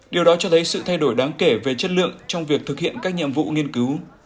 điều đó cho thấy sự thay đổi đáng kể về chất lượng trong việc thực hiện các nhiệm vụ nghiên cứu